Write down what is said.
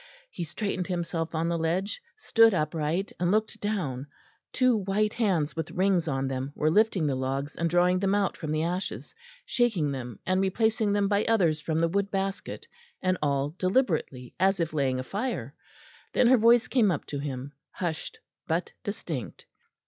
He straightened himself on the ledge, stood upright and looked down; two white hands with rings on them were lifting the logs and drawing them out from the ashes, shaking them and replacing them by others from the wood basket; and all deliberately, as if laying a fire. Then her voice came up to him, hushed but distinct.